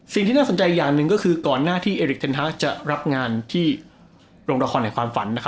สิ่งที่น่าสนใจอย่างหนึ่งก็คือก่อนหน้าที่เอริกเทนฮาสจะรับงานที่โรงละครในความฝัน